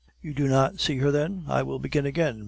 "You do not see, then? I will begin again.